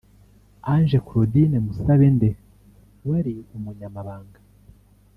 Ange Claudine Musabende wari umunyamabanga